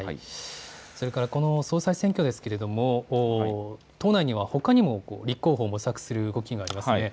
それから総裁選挙ですが党内にははほかにも立候補を模索する動きがありますね。